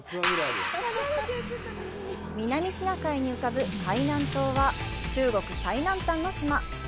南シナ海に浮かぶ海南島は、中国最南端の島。